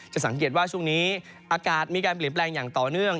สังเกตว่าช่วงนี้อากาศมีการเปลี่ยนแปลงอย่างต่อเนื่อง